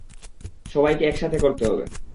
সবাইকে একসাথে করতে হবে।